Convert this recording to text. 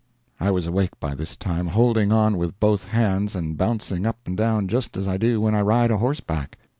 I was awake by this time, holding on with both hands and bouncing up and down just as I do when I ride a horse back.